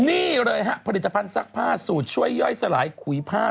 นี่เลยฮะผลิตภัณฑ์ซักผ้าสูตรช่วยย่อยสลายขุยผ้า